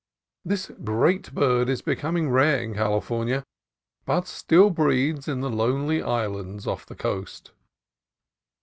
This great bird is becoming rare in California, but still breeds in the lonely islands off the coast.